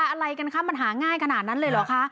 อะไรกันคะมันหาง่ายขนาดนั้นเลยเหรอคะ